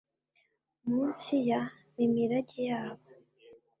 munsi ya mi mirage yabo